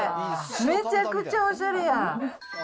めちゃくちゃおしゃれやん。